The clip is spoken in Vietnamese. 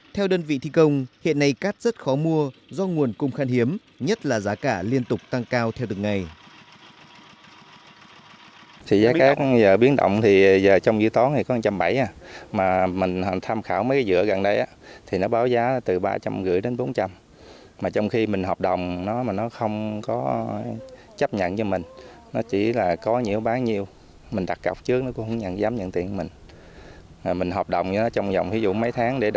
theo đơn vị thi công hiện nay cát rất khó mua do nguồn cung khan hiếm nhất là giá cả liên tục tăng cao theo đường ngày